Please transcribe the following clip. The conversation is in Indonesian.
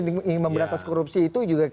ingin memberantas korupsi itu juga